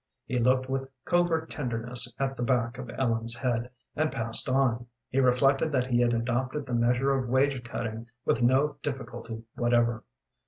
He looked with covert tenderness at the back of Ellen's head, and passed on. He reflected that he had adopted the measure of wage cutting with no difficulty whatever.